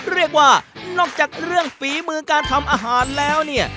เรียกว่านอกจากเรื่องฝีมือการทำอาหารแล้วเนี่ย